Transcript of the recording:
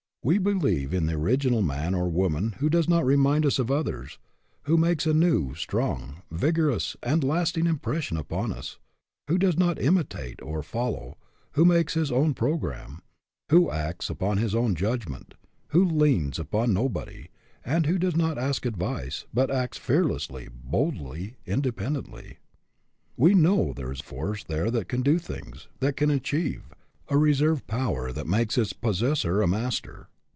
We believe in the original man or woman who does not remind us of others, who makes a new, strong, vigorous, and lasting im pression upon us, who does not imitate, or fol low, who makes his own programme, who acts upon his own judgment, who leans upon no body, and who does not ask advice, but acts fearlessly, boldly, independently. We know there is force there that can do things that can achieve a reserve power that makes its possessor a master.